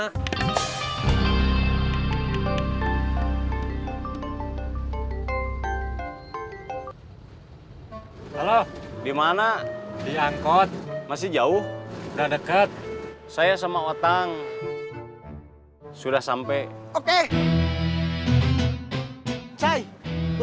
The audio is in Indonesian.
halo gimana diangkut masih jauh udah deket saya sama otang sudah sampai oke